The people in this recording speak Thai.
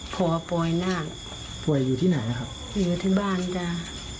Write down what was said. เพราะว่าป่วยน่ะป่วยอยู่ที่ไหนอ่ะครับอยู่ที่บ้านจ้ะอืม